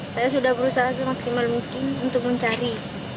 saya sudah berusaha semaksimal mungkin untuk mencari